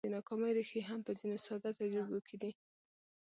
د ناکامۍ ريښې هم په ځينو ساده تجربو کې دي.